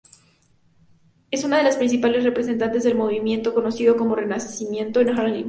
Es una de las principales representantes del movimiento conocido como Renacimiento de Harlem.